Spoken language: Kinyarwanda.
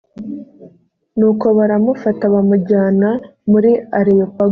nuko baramufata bamujyana muri areyopago .